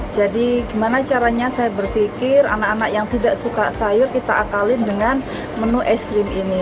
jadi gimana caranya saya berpikir anak anak yang tidak suka sayur kita akalin dengan menu aiskrim ini